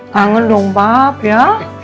kangen dong bab ya